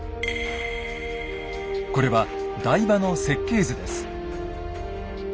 これは台場の設計図です。